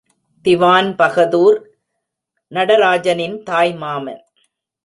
திவான்பகதூர் நடராஜனின் தாய் மாமன்.